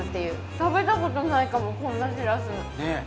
食べたことないかもこんなシラス。